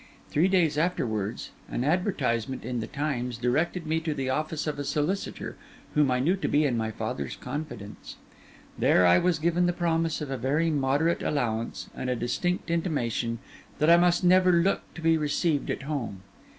Three days afterwards, an advertisement in the Times directed me to the office of a solicitor whom I knew to be in my father's confidence. There I was given the promise of a very moderate allowance, and a distinct intimation that I must never look to be received at home.